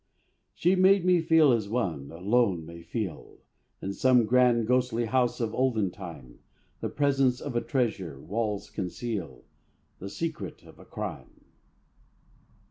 She made me feel as one, alone, may feel In some grand ghostly house of olden time, The presence of a treasure, walls conceal, The secret of a crime.